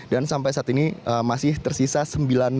dan sampai saat ini masih tersisa sembilan